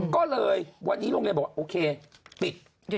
ก็เลยรองเรียนบอกโอเคปิด